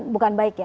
bukan baik ya